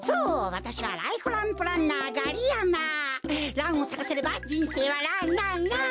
ランをさかせればじんせいはランランラン！